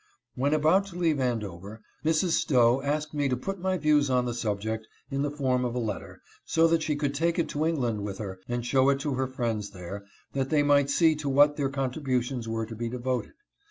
When about to leave Andover, Mrs. Stowe asked me to put my views on the subject in the form of a letter, so that she could take it LIFE, LIBERTY, ETC. 353 to England with her and show it to her friends there, that they might see to what their contributions were to be devoted.